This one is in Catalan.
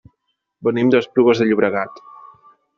Venim d'Esplugues de Llobregat.